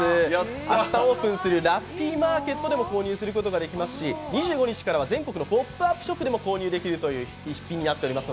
明日オープンするラッピーマーケットでも購入することができますし２５日からは全国のポップアップショップでも購入できる一式になっています。